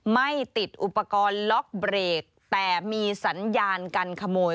ไม่ติดอุปกรณ์ล็อกเบรกแต่มีสัญญาการขโมย